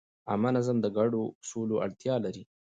عامه نظم د ګډو اصولو اړتیا لري.